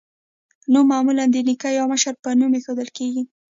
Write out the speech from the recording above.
نوم معمولا د نیکه یا مشر په نوم ایښودل کیږي.